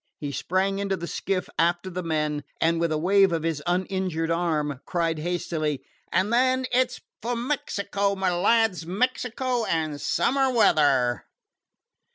He sprang into the skiff after the men, and, with a wave of his uninjured arm, cried heartily: "And then it 's for Mexico, my lads Mexico and summer weather!"